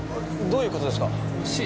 どういう事ですか？